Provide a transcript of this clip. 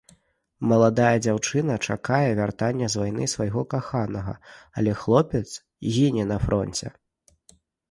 Маладая дзяўчына чакае вяртання з вайны свайго каханага, але хлопец гіне на фронце.